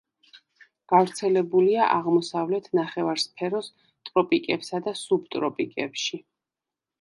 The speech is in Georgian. გავრცელებულია აღმოსავლეთ ნახევარსფეროს ტროპიკებსა და სუბტროპიკებში.